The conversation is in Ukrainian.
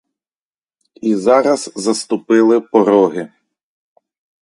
І зараз заступили пороги.